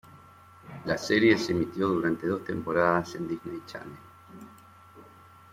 La serie se emitió durante dos temporadas en Disney Channel.